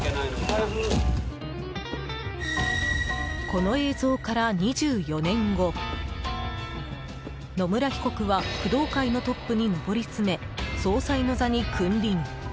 この映像から２４年後野村被告は工藤会のトップに上りつめ総裁の座に君臨。